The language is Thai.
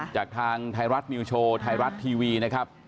จากทางไทยรัฐนิวโชว์ไทยรัฐทีวีนะครับ